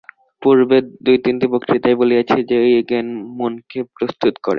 পূর্বের দুই-তিনটি বক্তৃতায় বলিয়াছি যে, এই জ্ঞান মনকে প্রস্তুত করে।